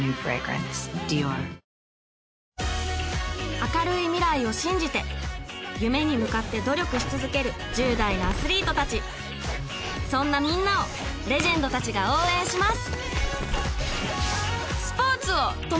明るい未来を信じて夢に向かって努力し続ける１０代のアスリート達そんなみんなをレジェンド達が応援します